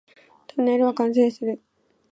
トンネルは完成する